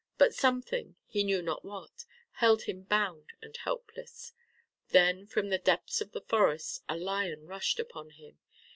But something, he knew not what, held him bound and helpless. Then from out the depths of the forest a lion rushed upon him.